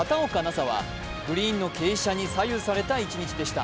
紗はグリーンの傾斜に左右された一日でした。